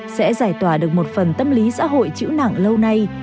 sẽ giải tỏa được một phần tâm lý xã hội chữ nặng lâu nay